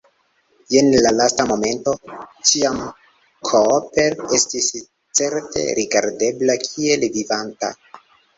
Jen la lasta momento, kiam Cooper estis certe rigardebla kiel vivanta.